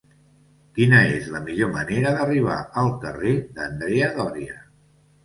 Quina és la millor manera d'arribar al carrer d'Andrea Doria?